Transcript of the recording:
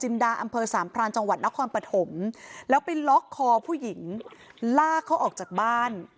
ดาอำเภอสามพรานจังหวัดนครปฐมแล้วไปล็อกคอผู้หญิงลากเขาออกจากบ้าน